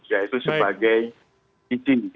yaitu sebagai izin